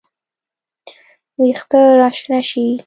وېښته راشنه شي